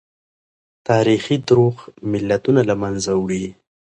تاريخي دروغ ملتونه له منځه وړي.